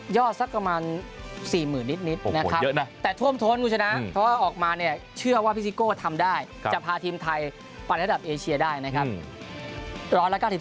สักประมาณ๔๐๐๐นิดนะครับแต่ท่วมท้นคุณชนะเพราะว่าออกมาเนี่ยเชื่อว่าพี่ซิโก้ทำได้จะพาทีมไทยไประดับเอเชียได้นะครับ